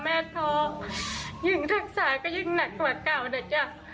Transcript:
แม่ท้องยิ่งทั้งสายก็ยิ่งหนักกว่าเก่านะจ๊ะ